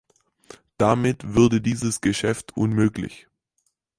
Damit würde dieses Geschäft unmöglich.